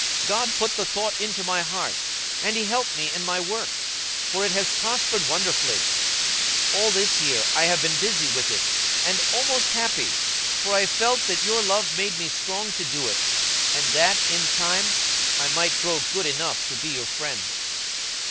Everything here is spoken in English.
God put the thought into my heart, and He helped me in my work, for it has prospered wonderfully. All this year I have been busy with it, and almost happy; for I felt that your love made me strong to do it, and that, in time, I might grow good enough to be your friend."